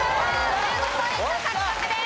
１５ポイント獲得です。